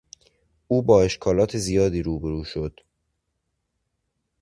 او با اشکالات زیادی روبرو شد.